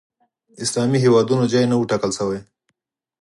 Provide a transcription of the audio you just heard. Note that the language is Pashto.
اسلامي هېوادونو ځای نه و ټاکل شوی